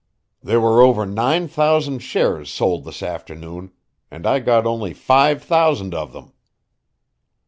"There were over nine thousand shares sold this afternoon, and I got only five thousand of them."